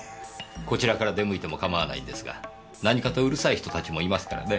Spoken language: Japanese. こちらから出向いてもかまわないんですが何かとうるさい人たちもいますからね。